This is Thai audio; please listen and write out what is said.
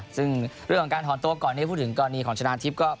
ซึ่งเรื่องของการถอนตัวก่อนนี้พูดถึงกรณีของชนะทิพย์ก็